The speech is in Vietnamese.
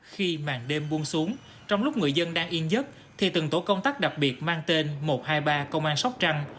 khi màn đêm buông xuống trong lúc người dân đang yên giấc thì từng tổ công tác đặc biệt mang tên một trăm hai mươi ba công an sóc trăng